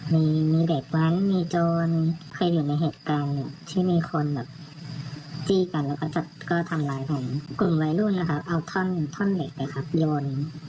มีข้อนเหล็กเลยครับโยน